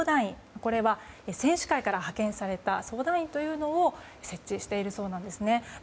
これは、選手会から派遣された相談員を設置しているそうなんですね。